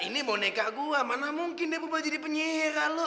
ini boneka gua mana mungkin deh bukan jadi penyihir kan lo